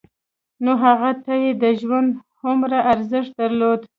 نو هغه ته يې د ژوند هومره ارزښت درلود.